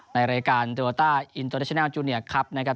ในรายการโตราอินเตอร์แนชนัลจูเนียครับนะครับ